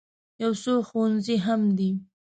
یو څو ښوونځي هم دي.